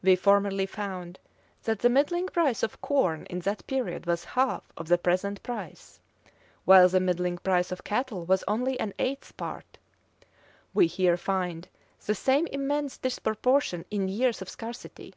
We formerly found, that the middling price of corn in that period was half of the present price; while the middling price of cattle was only an eighth part: we here find the same immense disproportion in years of scarcity.